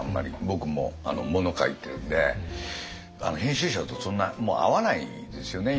僕も物書いてるんで編集者とそんな会わないですよね